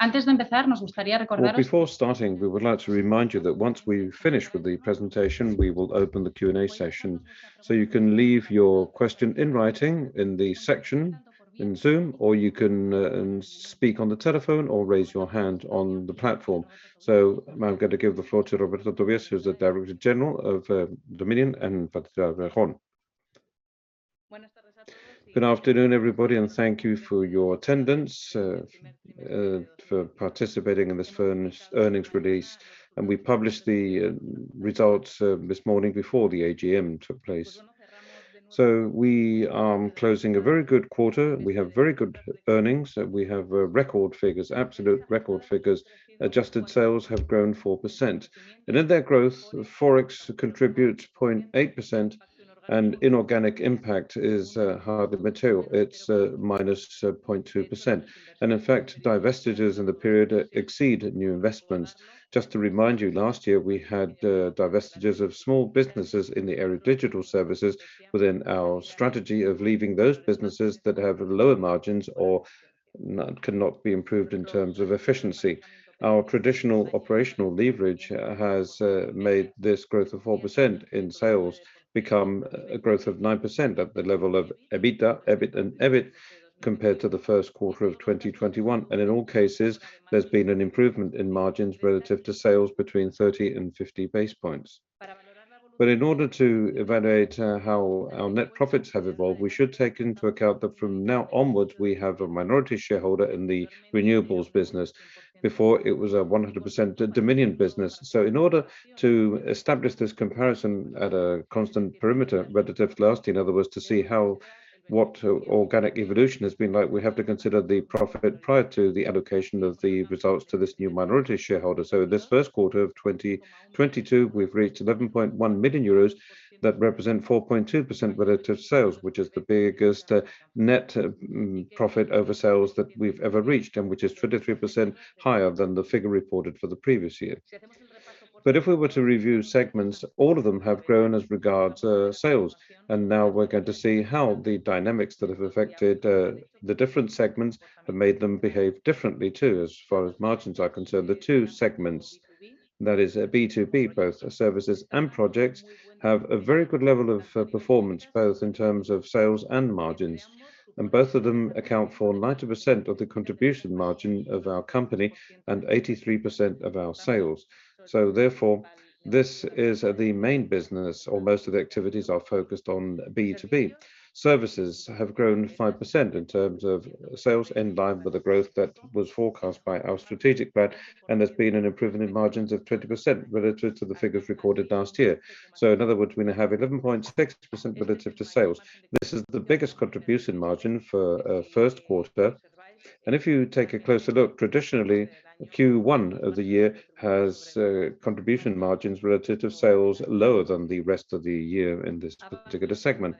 Before starting, we would like to remind you that once we've finished with the presentation, we will open the Q&A session. You can leave your question in writing in the section in Zoom, or you can speak on the telephone or raise your hand on the platform. I'm going to give the floor to Roberto Tobillas, who's the General Director of Dominion, and Patricia Berjón. Good afternoon, everybody, and thank you for your attendance for participating in this firm's earnings release. We published the results this morning before the AGM took place. We are closing a very good quarter. We have very good earnings. We have record figures, absolute record figures. Adjusted sales have grown 4%. In that growth, Forex contributes 0.8%, and inorganic impact is half of the two. It's -0.2%. In fact, divestitures in the period exceed new investments. Just to remind you, last year, we had divestitures of small businesses in the area of digital services within our strategy of leaving those businesses that have lower margins or cannot be improved in terms of efficiency. Our traditional operational leverage has made this growth of 4% in sales become a growth of 9% at the level of EBITDA, EBIT, and EBIT compared to the first quarter of 2021. In all cases, there's been an improvement in margins relative to sales between 30 and 50 basis points. In order to evaluate how our net profits have evolved, we should take into account that from now onwards, we have a minority shareholder in the renewables business. Before, it was a 100% Dominion business. In order to establish this comparison at a constant perimeter relative to last year, in other words, to see how what organic evolution has been like, we have to consider the profit prior to the allocation of the results to this new minority shareholder. This first quarter of 2022, we've reached 11.1 million euros that represent 4.2% relative sales, which is the biggest net profit over sales that we've ever reached and which is 23% higher than the figure reported for the previous year. If we were to review segments, all of them have grown as regards to sales. Now we're going to see how the dynamics that have affected the different segments have made them behave differently too. As far as margins are concerned, the two segments, that is B2B, both services and projects, have a very good level of performance, both in terms of sales and margins. Both of them account for 90% of the contribution margin of our company and 83% of our sales. This is the main business or most of the activities are focused on B2B. Services have grown 5% in terms of sales in line with the growth that was forecast by our strategic plan, and there's been an improvement in margins of 20% relative to the figures recorded last year. In other words, we now have 11.6% relative to sales. This is the biggest contribution margin for a first quarter. If you take a closer look, traditionally, Q1 of the year has contribution margins relative to sales lower than the rest of the year in this particular segment.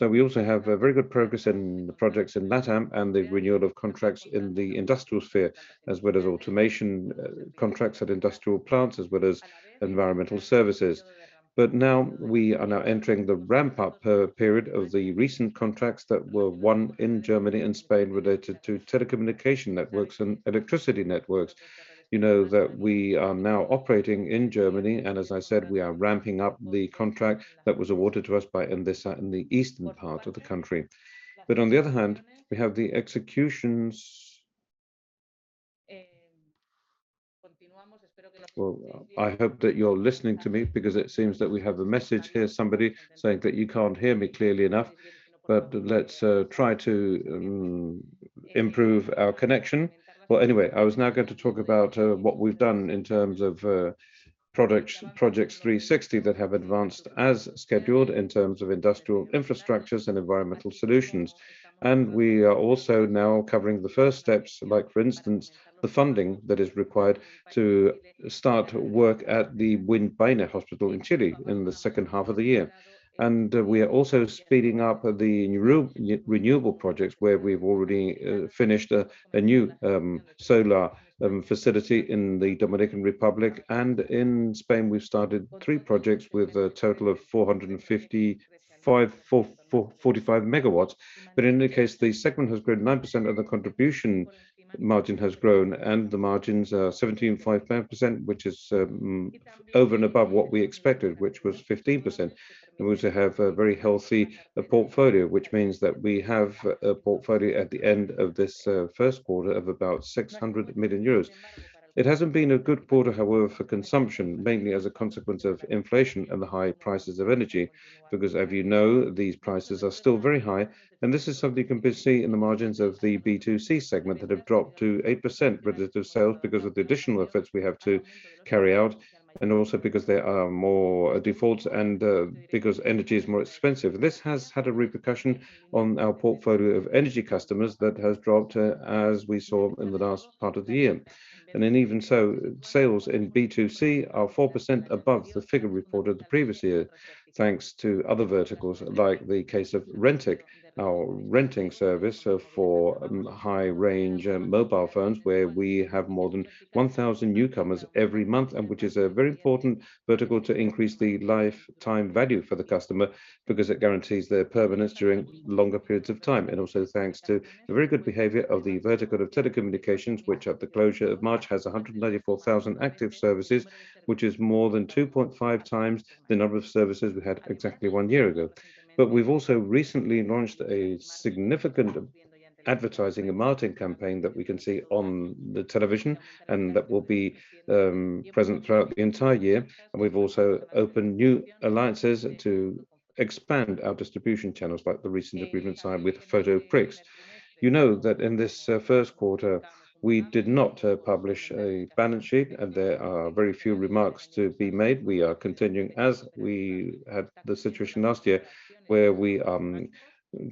We also have a very good progress in projects in LatAm and the renewal of contracts in the industrial sphere, as well as automation contracts at industrial plants, as well as environmental services. Now, we are now entering the ramp-up period of the recent contracts that were won in Germany and Spain related to telecommunication networks and electricity networks. You know that we are now operating in Germany, and as I said, we are ramping up the contract that was awarded to us by Endesa in the eastern part of the country. On the other hand, we have the executions. Well, I hope that you're listening to me because it seems that we have a message here, somebody saying that you can't hear me clearly enough. Let's try to improve our connection. Well, anyway, I was now going to talk about what we've done in terms of projects, Projects 360, that have advanced as scheduled in terms of industrial infrastructures and environmental solutions. We are also now covering the first steps, like for instance, the funding that is required to start work at the Viña del Mar Hospital in Chile in the second half of the year. We are also speeding up the new renewable projects, where we've already finished a new solar facility in the Dominican Republic. In Spain, we've started three projects with a total of 455 MW. In any case, the segment has grown 9%, and the contribution margin has grown, and the margins are 17.5%, which is over and above what we expected, which was 15%. We also have a very healthy portfolio, which means that we have a portfolio at the end of this first quarter of about 600 million euros. It hasn't been a good quarter, however, for consumption, mainly as a consequence of inflation and the high prices of energy, because as you know, these prices are still very high. This is something you can basically see in the margins of the B2C segment that have dropped to 8% relative sales because of the additional efforts we have to carry out, and also because there are more defaults and because energy is more expensive. This has had a repercussion on our portfolio of energy customers that has dropped as we saw in the last part of the year. Then even so, sales in B2C are 4% above the figure reported the previous year, thanks to other verticals like the case of Rentik, our renting service for high-range mobile phones, where we have more than 1,000 newcomers every month, and which is a very important vertical to increase the lifetime value for the customer because it guarantees their permanence during longer periods of time. Also thanks to the very good behavior of the vertical of telecommunications, which at the closure of March has 194,000 active services, which is more than 2.5x the number of services we had exactly one year ago. We've also recently launched a significant advertising and marketing campaign that we can see on the television, and that will be present throughout the entire year. We've also opened new alliances to expand our distribution channels, like the recent agreement signed with Foto Prix. You know that in this first quarter, we did not publish a balance sheet and there are very few remarks to be made. We are continuing as we had the situation last year where the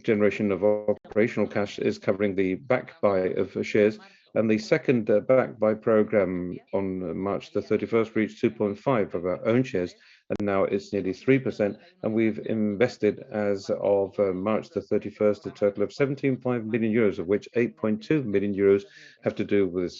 generation of operational cash is covering the buyback of shares. The second buyback program on March 31st reached 2.5% of our own shares, and now it's nearly 3%, and we've invested as of March 31st, a total of 17.5 million euros of which 8.2 million euros have to do with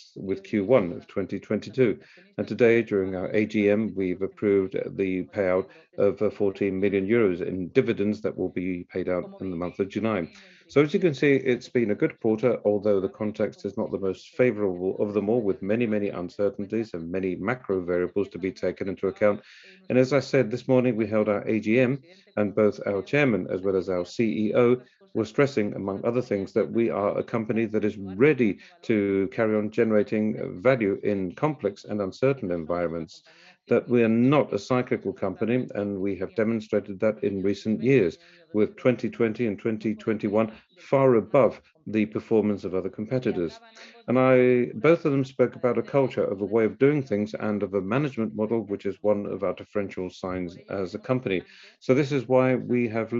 Q1 of 2022. Today, during our AGM, we've approved the payout of 14 million euros in dividends that will be paid out in the month of July. As you can see, it's been a good quarter, although the context is not the most favorable of them all, with many uncertainties and many macro variables to be taken into account. As I said, this morning, we held our AGM and both our chairman as well as our CEO were stressing, among other things, that we are a company that is ready to carry on generating value in complex and uncertain environments, that we're not a cyclical company, and we have demonstrated that in recent years with 2020 and 2021 far above the performance of other competitors. Both of them spoke about a culture of a way of doing things and of a management model, which is one of our differential signs as a company. This is why we have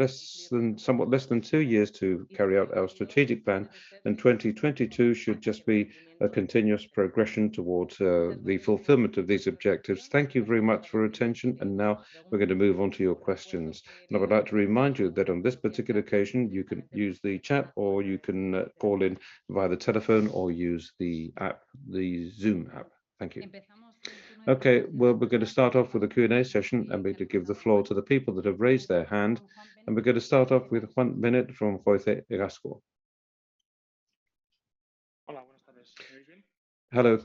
somewhat less than two years to carry out our strategic plan, and 2022 should just be a continuous progression towards the fulfillment of these objectives. Thank you very much for your attention, and now we're gonna move on to your questions. I would like to remind you that on this particular occasion, you can use the chat, or you can call in via the telephone or use the app, the Zoom app. Thank you. Okay. Well, we're gonna start off with the Q&A session and we're gonna give the floor to the people that have raised their hand. We're gonna start off with Juan Benet from [GVC Gaesco]. Hello.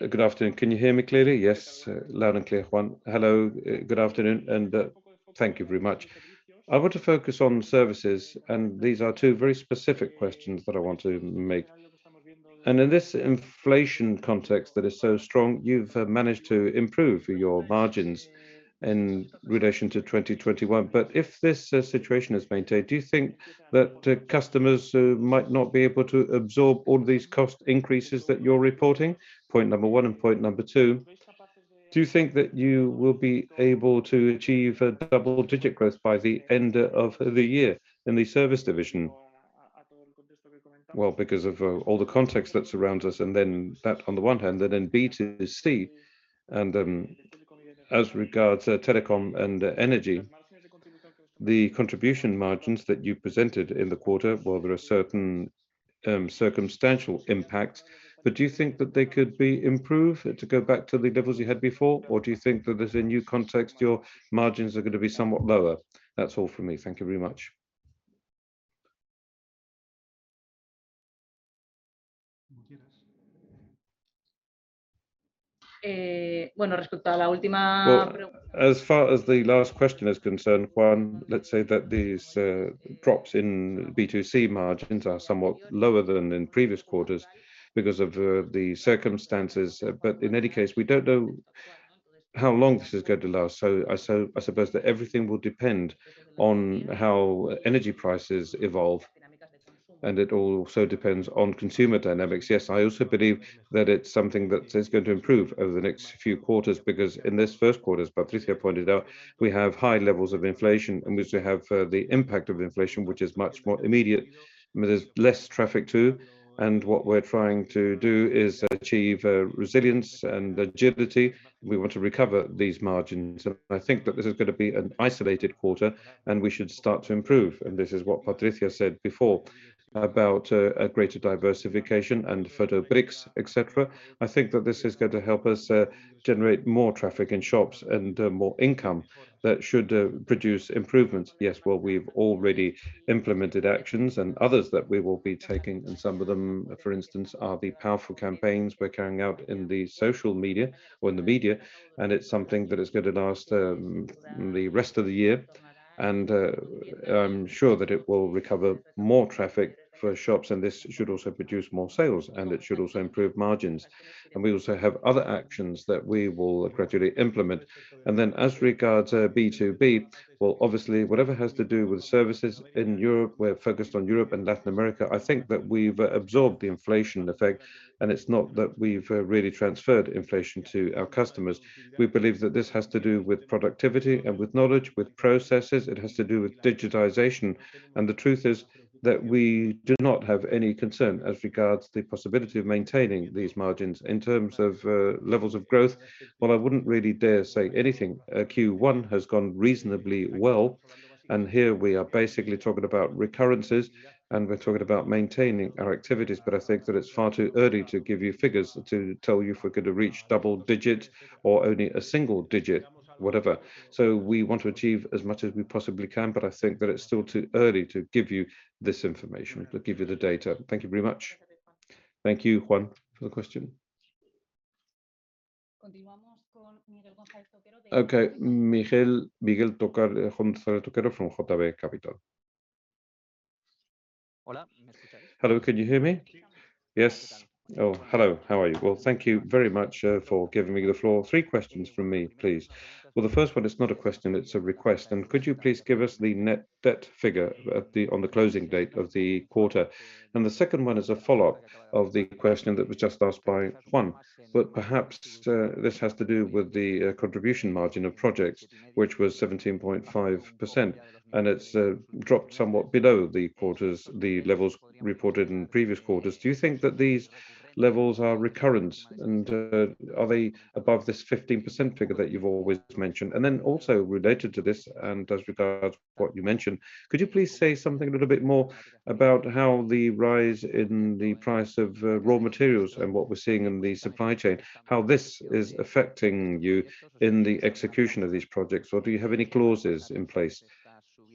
Good afternoon. Can you hear me clearly? Yes, loud and clear, Juan. Hello, good afternoon, and thank you very much. I want to focus on services, and these are two very specific questions that I want to make. In this inflation context that is so strong, you've managed to improve your margins in relation to 2021. If this situation is maintained, do you think that customers might not be able to absorb all these cost increases that you're reporting? Point number one and point number two, do you think that you will be able to achieve a double-digit growth by the end of the year in the service division? Well, because of all the context that surrounds us, and then that on the one hand, and then B2C, and, as regards, telecom and energy, the contribution margins that you presented in the quarter, while there are certain circumstantial impacts, but do you think that they could be improved to go back to the levels you had before? Or do you think that there's a new context, your margins are gonna be somewhat lower? That's all from me. Thank you very much. Well, as far as the last question is concerned, Juan, let's say that these drops in B2C margins are somewhat lower than in previous quarters because of the circumstances. In any case, we don't know how long this is going to last. I suppose that everything will depend on how energy prices evolve, and it also depends on consumer dynamics. Yes, I also believe that it's something that is going to improve over the next few quarters because in this first quarter, as Patricia pointed out, we have high levels of inflation in which we have the impact of inflation, which is much more immediate. There's less traffic too, and what we're trying to do is achieve resilience and agility. We want to recover these margins. I think that this is gonna be an isolated quarter and we should start to improve. This is what Patricia said before about a greater diversification and Foto Prix, etc. I think that this is going to help us generate more traffic in shops and more income that should produce improvements. Yes, well, we've already implemented actions and others that we will be taking, and some of them, for instance, are the powerful campaigns we're carrying out in the social media or in the media, and it's something that is gonna last the rest of the year. I'm sure that it will recover more traffic for shops, and this should also produce more sales, and it should also improve margins. We also have other actions that we will gradually implement. As regards to B2B, well, obviously, whatever has to do with services in Europe, we're focused on Europe and Latin America. I think that we've absorbed the inflation effect, and it's not that we've really transferred inflation to our customers. We believe that this has to do with productivity and with knowledge, with processes. It has to do with digitization. The truth is that we do not have any concern as regards to the possibility of maintaining these margins. In terms of levels of growth, well, I wouldn't really dare say anything. Q1 has gone reasonably well, and here we are basically talking about recurrences, and we're talking about maintaining our activities. I think that it's far too early to give you figures to tell you if we're gonna reach double digit or only a single digit, whatever. We want to achieve as much as we possibly can, but I think that it's still too early to give you this information, to give you the data. Thank you very much. Thank you, Juan, for the question. Okay. Miguel Toquero from JB Capital. Hello, can you hear me? Yes. Oh, hello. How are you? Well, thank you very much for giving me the floor. Three questions from me, please. Well, the first one is not a question, it's a request, and could you please give us the net debt figure on the closing date of the quarter? The second one is a follow-up of the question that was just asked by Juan, but perhaps this has to do with the contribution margin of projects, which was 17.5%, and it's dropped somewhat below the levels reported in previous quarters. Do you think that these levels are recurrent, and are they above this 15% figure that you've always mentioned? Then also related to this, and as regards what you mentioned, could you please say something a little bit more about how the rise in the price of raw materials and what we're seeing in the supply chain, how this is affecting you in the execution of these projects? Or do you have any clauses in place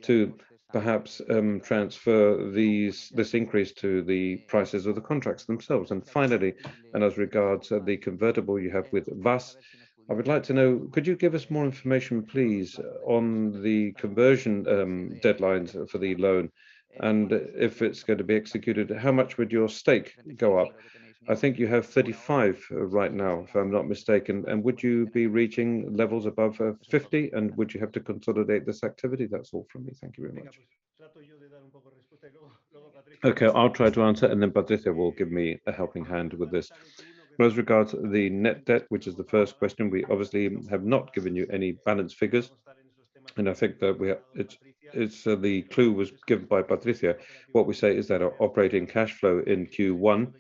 to perhaps transfer this increase to the prices of the contracts themselves? Finally, as regards the convertible you have with VASS, I would like to know, could you give us more information, please, on the conversion deadlines for the loan, and if it's going to be executed, how much would your stake go up? I think you have 35% right now, if I'm not mistaken. Would you be reaching levels above 50%, and would you have to consolidate this activity? That's all from me. Thank you very much. Okay, I'll try to answer, and then Patricia will give me a helping hand with this. With regards the net debt, which is the first question, we obviously have not given you any balanced figures, and I think that we are. It's the clue was given by Patricia. What we say is that our operating cash flow in Q1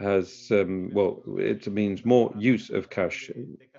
has more use of cash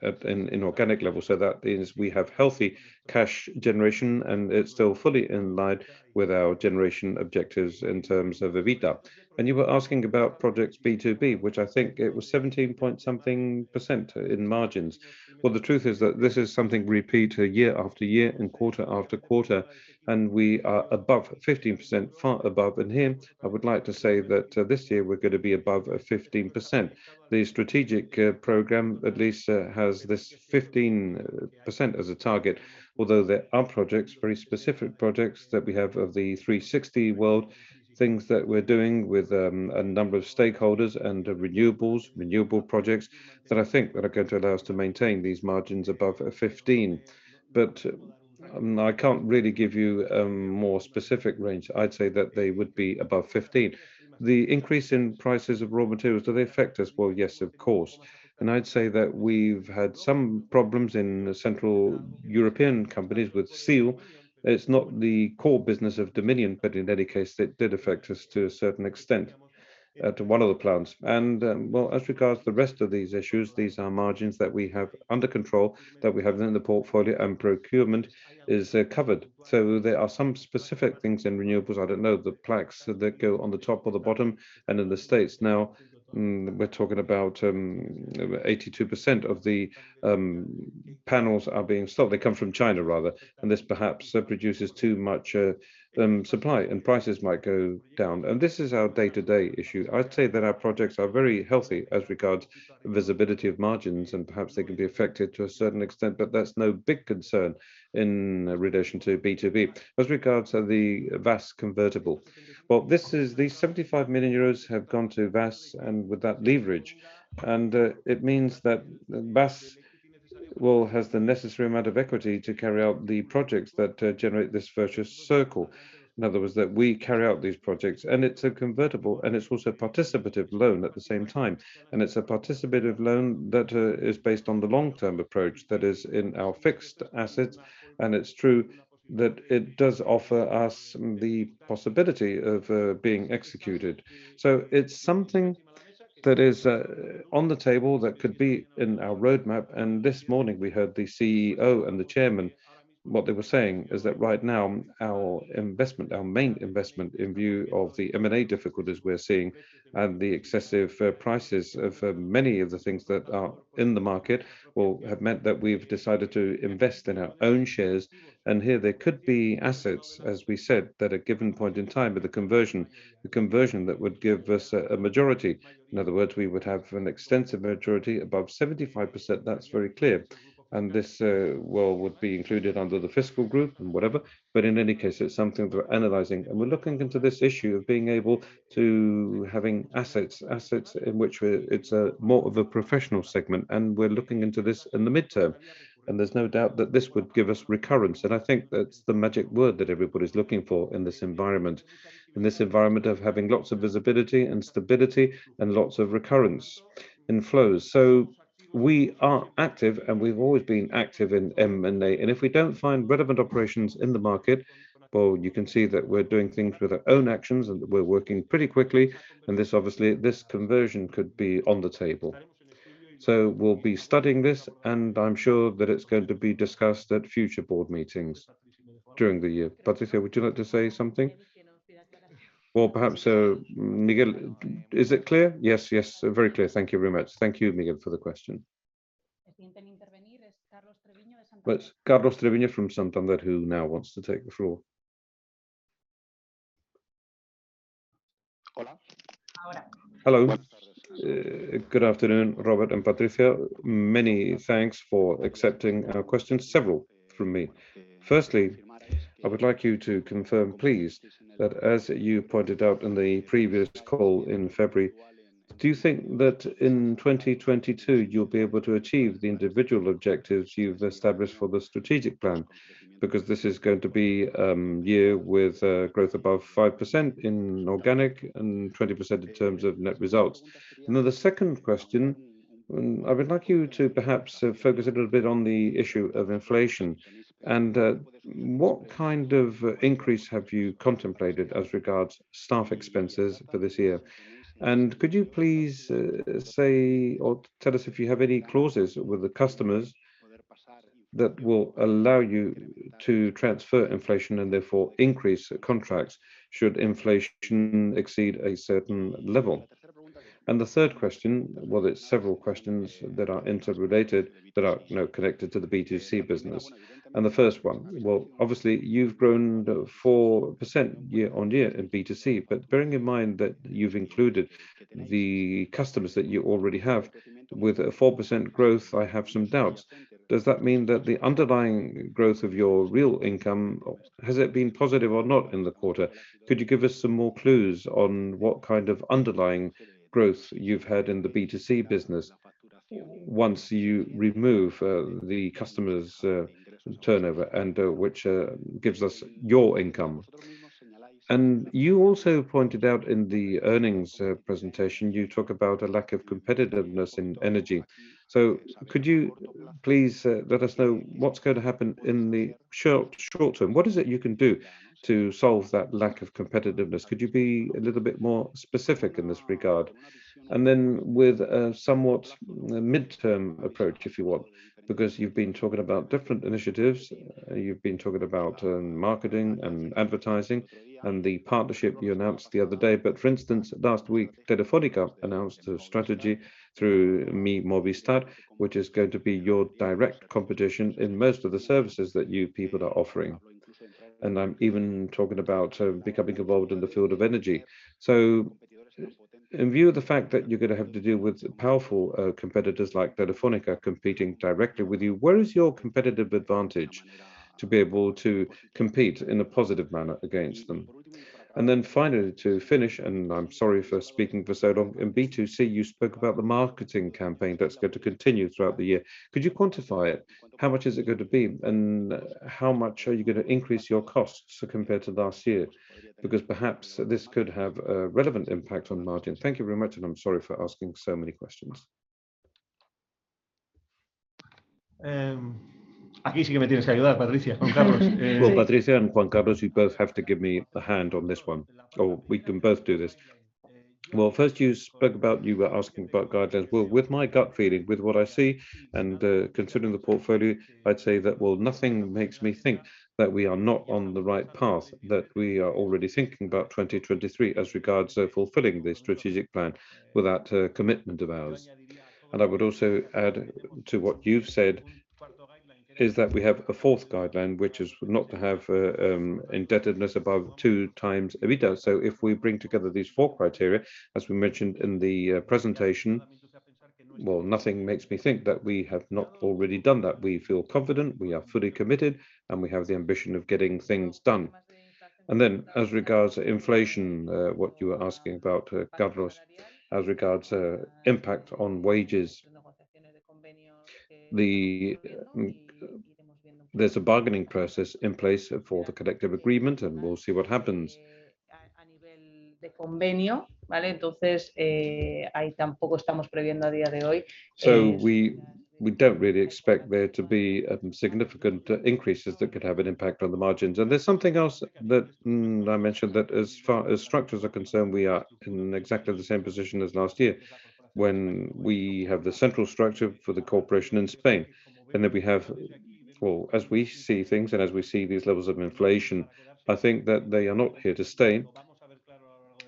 at organic levels, so that is we have healthy cash generation, and it's still fully in line with our generation objectives in terms of EBITDA. You were asking about projects B2B, which I think it was 17-point-something percent in margins. Well, the truth is that this is something that repeats year-after-year and quarter-after-quarter, and we are above 15%, far above. Here, I would like to say that this year we're gonna be above 15%. The strategic program at least has this 15% as a target. Although there are projects, very specific projects that we have of the 360 world, things that we're doing with a number of stakeholders and renewables, renewable projects that I think that are going to allow us to maintain these margins above 15%. I can't really give you a more specific range. I'd say that they would be above 15%. The increase in prices of raw materials, do they affect us? Well, yes, of course. I'd say that we've had some problems in the Central European companies with steel. It's not the core business of Dominion, but in any case, it did affect us to a certain extent to one of the plants. Well, as regards the rest of these issues, these are margins that we have under control, that we have them in the portfolio, and procurement is covered. There are some specific things in renewables. I don't know, the plaques that go on the top or the bottom. In the States now, we're talking about 82% of the panels are being sold. They come from China rather, and this perhaps produces too much supply and prices might go down. This is our day-to-day issue. I'd say that our projects are very healthy as regards visibility of margins, and perhaps they can be affected to a certain extent, but there's no big concern in relation to B2B. As regards the VASS convertible. Well, this is. These 75 million euros have gone to VASS and with that leverage, it means that VASS has the necessary amount of equity to carry out the projects that generate this virtuous circle. In other words, that we carry out these projects. It's a convertible, and it's also a participative loan at the same time. It's a participative loan that is based on the long-term approach that is in our fixed assets, and it's true that it does offer us the possibility of being executed. It's something that is on the table that could be in our roadmap. This morning we heard the CEO and the Chairman. What they were saying is that right now our investment, our main investment in view of the M&A difficulties we're seeing and the excessive prices of many of the things that are in the market have meant that we've decided to invest in our own shares. Here there could be assets, as we said, that at given point in time with the conversion that would give us a majority. In other words, we would have an extensive majority above 75%. That's very clear. This would be included under the fiscal group and whatever. In any case, it's something we're analyzing, and we're looking into this issue of being able to having assets in which it's more of a professional segment, and we're looking into this in the midterm. There's no doubt that this would give us recurrence. I think that's the magic word that everybody's looking for in this environment of having lots of visibility and stability and lots of recurrence in flows. We are active, and we've always been active in M&A. If we don't find relevant operations in the market, well, you can see that we're doing things with our own actions and we're working pretty quickly, and this obviously, this conversion could be on the table. We'll be studying this, and I'm sure that it's going to be discussed at future board meetings during the year. Patricia Berjón, would you like to say something? Or perhaps, Miguel, is it clear? Yes. Yes. Very clear. Thank you very much. Thank you, Miguel, for the question. Carlos Treviño from Santander, who now wants to take the floor. Hello. Good afternoon, Robert and Patricia. Many thanks for accepting our questions, several from me. Firstly, I would like you to confirm, please, that as you pointed out in the previous call in February, do you think that in 2022 you'll be able to achieve the individual objectives you've established for the strategic plan? Because this is going to be a year with growth above 5% in organic and 20% in terms of net results. Now, the second question, I would like you to perhaps focus a little bit on the issue of inflation and what kind of increase have you contemplated as regards staff expenses for this year? And could you please say or tell us if you have any clauses with the customers that will allow you to transfer inflation and therefore increase contracts should inflation exceed a certain level? The third question, well, it's several questions that are interrelated, that are, you know, connected to the B2C business, and the first one. Well, obviously, you've grown 4% year-on-year in B2C, but bearing in mind that you've included the customers that you already have, with a 4% growth, I have some doubts. Does that mean that the underlying growth of your real income has it been positive or not in the quarter? Could you give us some more clues on what kind of underlying growth you've had in the B2C business once you remove the customers' turnover and which gives us your income. You also pointed out in the earnings presentation, you talk about a lack of competitiveness in energy. Could you please let us know what's going to happen in the short term? What is it you can do to solve that lack of competitiveness? Could you be a little bit more specific in this regard? With a somewhat midterm approach, if you want, because you've been talking about different initiatives. You've been talking about marketing and advertising and the partnership you announced the other day. For instance, last week, Telefónica announced a strategy through miMovistar, which is going to be your direct competition in most of the services that you people are offering. I'm even talking about becoming involved in the field of energy. In view of the fact that you're gonna have to deal with powerful competitors like Telefónica competing directly with you, where is your competitive advantage to be able to compete in a positive manner against them? Finally, to finish, and I'm sorry for speaking for so long, in B2C, you spoke about the marketing campaign that's going to continue throughout the year. Could you quantify it? How much is it gonna be, and how much are you gonna increase your costs compared to last year? Because perhaps this could have a relevant impact on the margin. Thank you very much, and I'm sorry for asking so many questions. Well, Patricia and [Juan Carlos], you both have to give me a hand on this one, or we can both do this. Well, you were asking about guidelines. Well, with my gut feeling, with what I see and, considering the portfolio, I'd say that, well, nothing makes me think that we are not on the right path, that we are already thinking about 2023 as regards fulfilling this strategic plan with that, commitment of ours. I would also add to what you've said is that we have a fourth guideline, which is not to have, indebtedness above 2x EBITDA. If we bring together these four criteria, as we mentioned in the presentation, well, nothing makes me think that we have not already done that. We feel confident, we are fully committed, and we have the ambition of getting things done. As regards to inflation, what you were asking about, Carlos, as regards to impact on wages. There's a bargaining process in place for the collective agreement, and we'll see what happens. We don't really expect there to be significant increases that could have an impact on the margins. There's something else that I mentioned that as far as structures are concerned, we are in exactly the same position as last year when we have the central structure for the corporation in Spain. Well, as we see things and as we see these levels of inflation, I think that they are not here to stay.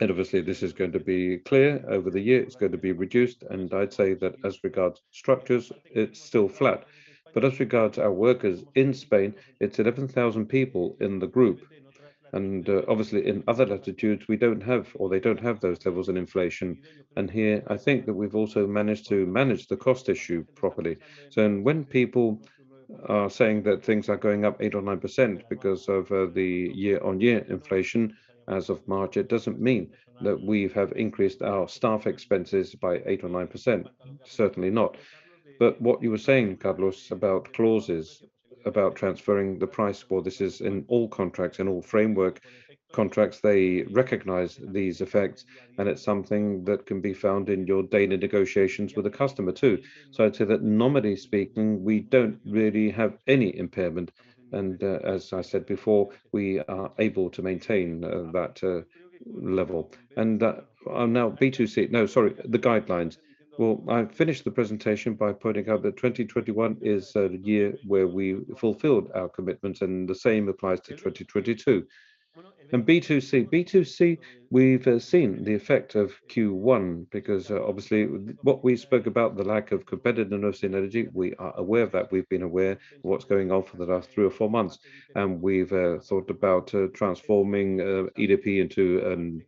Obviously, this is going to be clear over the year, it's going to be reduced, and I'd say that as regards structures, it's still flat. As regards our workers in Spain, it's 11,000 people in the group. Obviously, in other latitudes, we don't have or they don't have those levels of inflation. Here, I think that we've also managed to manage the cost issue properly. When people are saying that things are going up 8% or 9% because of the year-on-year inflation as of March, it doesn't mean that we have increased our staff expenses by 8% or 9%. Certainly not. What you were saying, Carlos, about clauses, about transferring the price, well, this is in all contracts. In all framework contracts, they recognize these effects, and it's something that can be found in your daily negotiations with the customer too. I'd say that nominally speaking, we don't really have any impairment and, as I said before, we are able to maintain that level. The guidelines. Well, I finished the presentation by pointing out that 2021 is the year where we fulfilled our commitments, and the same applies to 2022. B2C. B2C, we've seen the effect of Q1 because, obviously what we spoke about, the lack of competitiveness in energy, we are aware of that. We've been aware of what's going on for the last three or four months, and we've thought about transforming EDP into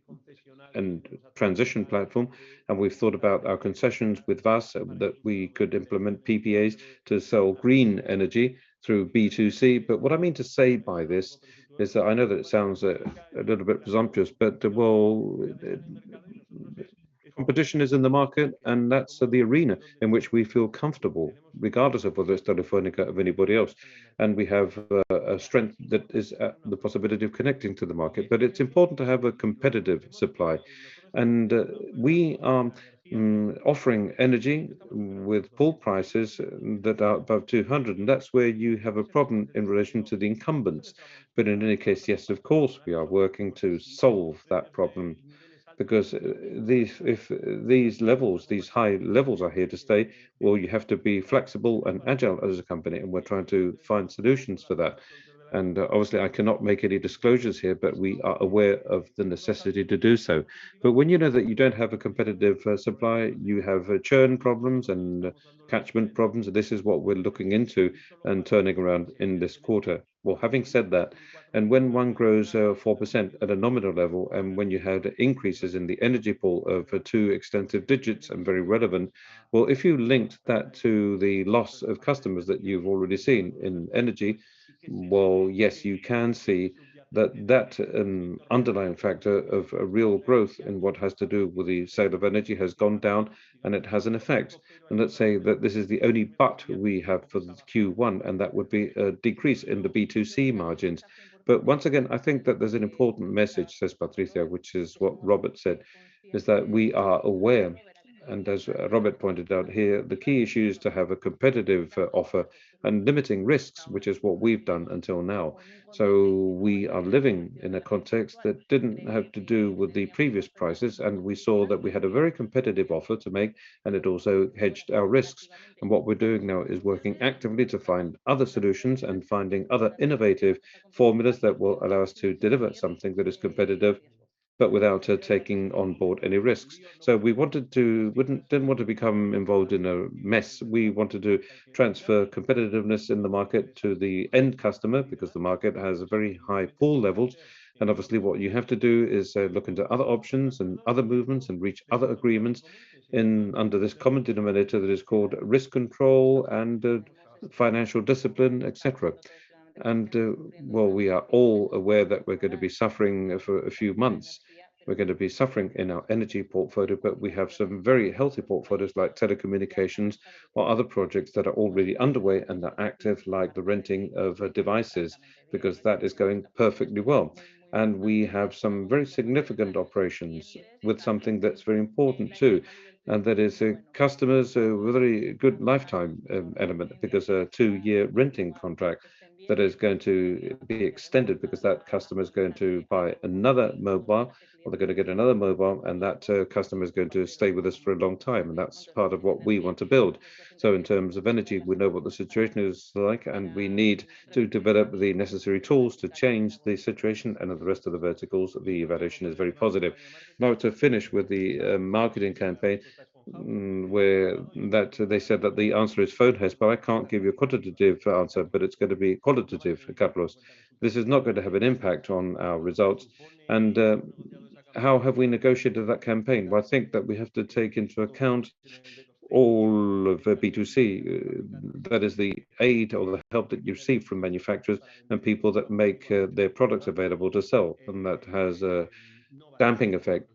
a transition platform, and we've thought about our concessions with VASS that we could implement PPAs to sell green energy through B2C. What I mean to say by this is that I know that it sounds a little bit presumptuous, but well, competition is in the market, and that's the arena in which we feel comfortable, regardless of whether it's Telefónica or anybody else. We have a strength that is the possibility of connecting to the market. It's important to have a competitive supply. We are offering energy with pool prices that are above 200, and that's where you have a problem in relation to the incumbents. In any case, yes, of course, we are working to solve that problem because if these levels, these high levels are here to stay, well, you have to be flexible and agile as a company, and we're trying to find solutions for that. Obviously, I cannot make any disclosures here, but we are aware of the necessity to do so. When you know that you don't have a competitive supply, you have churn problems and catchment problems, this is what we're looking into and turning around in this quarter. Well, having said that, when one grows 4% at a nominal level and when you have increases in the energy pool of double digits and very relevant. If you link that to the loss of customers that you've already seen in energy, yes, you can see that underlying factor of a real growth in what has to do with the sale of energy has gone down, and it has an effect. Let's say that this is the only but we have for Q1, and that would be a decrease in the B2C margins. Once again, I think that there's an important message, says Patricia, which is what Robert said, is that we are aware. As Robert pointed out here, the key issue is to have a competitive offer and limiting risks, which is what we've done until now. We are living in a context that didn't have to do with the previous prices, and we saw that we had a very competitive offer to make, and it also hedged our risks. What we're doing now is working actively to find other solutions and finding other innovative formulas that will allow us to deliver something that is competitive, but without taking on board any risks. We didn't want to become involved in a mess. We wanted to transfer competitiveness in the market to the end customer because the market has a very high pool levels. Obviously, what you have to do is look into other options and other movements and reach other agreements under this common denominator that is called risk control and financial discipline, etc. We are all aware that we're gonna be suffering for a few months. We're gonna be suffering in our energy portfolio, but we have some very healthy portfolios like telecommunications or other projects that are already underway and are active like the renting of devices because that is going perfectly well. We have some very significant operations with something that's very important, too. That is customers, a very good lifetime value because a two-year renting contract that is going to be extended because that customer is going to buy another mobile, or they're gonna get another mobile, and that customer is going to stay with us for a long time, and that's part of what we want to build. In terms of energy, we know what the situation is like, and we need to develop the necessary tools to change the situation and the rest of the verticals. The evaluation is very positive. Now to finish with the marketing campaign where that they said that the answer is Phone House, but I can't give you a quantitative answer, but it's gonna be qualitative for Carlos Treviño. This is not gonna have an impact on our results. How have we negotiated that campaign? Well, I think that we have to take into account all of B2C. That is the aid or the help that you receive from manufacturers and people that make their products available to sell, and that has a damping effect.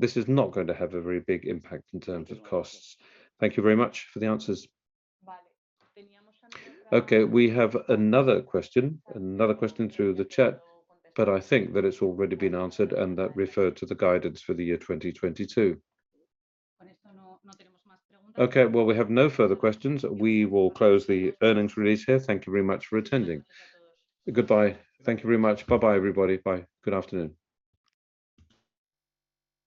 This is not going to have a very big impact in terms of costs. Thank you very much for the answers. Okay. We have another question through the chat, but I think that it's already been answered, and that referred to the guidance for the year 2022. Okay. Well, we have no further questions. We will close the earnings release here. Thank you very much for attending. Goodbye. Thank you very much. Bye-bye, everybody. Bye. Good afternoon.